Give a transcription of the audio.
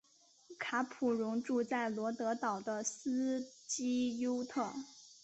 卡普荣住在罗德岛的斯基尤特。